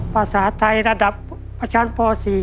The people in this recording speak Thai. ภาษาไทยระดับประชั้นป๔